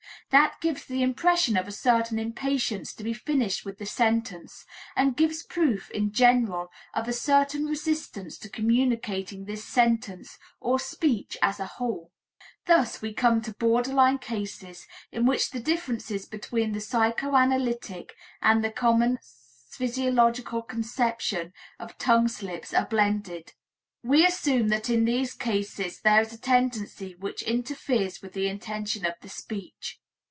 That gives the impression of a certain impatience to be finished with the sentence and gives proof in general of a certain resistance to communicating this sentence or speech as a whole. Thus we come to borderline cases in which the differences between the psychoanalytic and the common physiological conception of tongue slips are blended. We assume that in these cases there is a tendency which interferes with the intention of the speech.